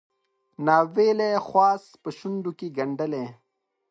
ناویلی خواست په شونډوکې ګنډلی